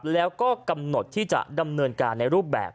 แล้วก็กำหนดที่จะดำเนินการในรูปแบบ